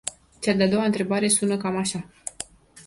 Cea de-a doua întrebare sună cam așa.